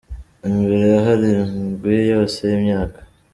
Imbere ye hari indwi yose y’imyaka!